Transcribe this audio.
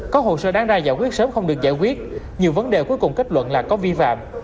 có hồ sơ đáng ra giải quyết sớm không được giải quyết nhiều vấn đề cuối cùng kết luận là có vi phạm